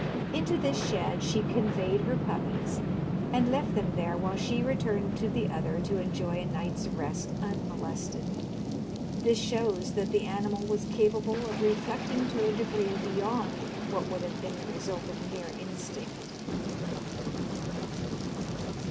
Into this shed she conveyed her puppies, and left them there while she returned to the other to enjoy a night's rest unmolested. This shows that the animal was capable of reflecting to a degree beyond what would have been the result of mere instinct.